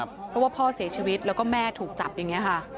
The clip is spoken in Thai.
เพราะว่าพ่อเสียชีวิตแล้วก็แม่ถูกจับอย่างนี้ค่ะ